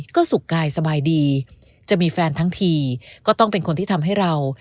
ก็สุขกายสบายดีจะมีแฟนทั้งทีก็ต้องเป็นคนที่ทำให้เรา